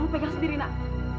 kamu pegang sendiri nak